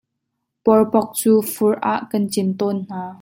Pawrpok cu fur ah kan cin tawn hna.